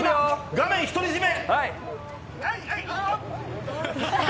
画面独り占め。